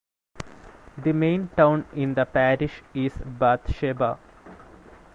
The main town in the parish is Bathsheba.